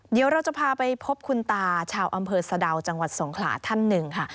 เดี๋ยวเราจะพาไปพบคุณตาชาวอำเภอสะดาวจังหวัดสงขลาท่านหนึ่งค่ะ